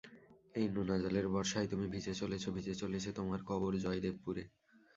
এই নোনাজলের বর্ষায় তুমি ভিজে চলেছ ভিজে চলেছে তোমার কবর, জয়দেবপুরে।